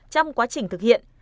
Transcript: trong quá trình thực hiện